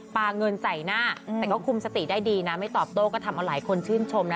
เงินใส่หน้าแต่ก็คุมสติได้ดีนะไม่ตอบโต้ก็ทำเอาหลายคนชื่นชมนะ